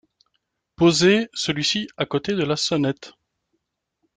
Posez celui-ci à côté de la sonnette.